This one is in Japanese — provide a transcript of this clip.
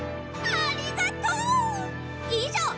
「ありがとう！以上！